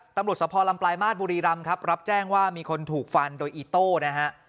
สะพอลำปลายมาสบุรีรำครับรับแจ้งว่ามีคนถูกฟันโดยอีโต้นะฮะ